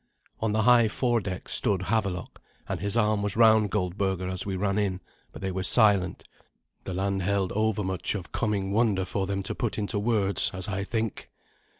On the high fore deck stood Havelok, and his arm was round Goldberga as we ran in, but they were silent. The land held overmuch of coming wonder for them to put into words, as I think.